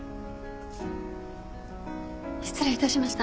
失礼いたしました。